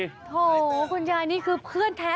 โถ่คุณยายนี้คือเพื่อนแท้